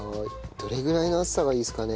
どれぐらいの厚さがいいですかね？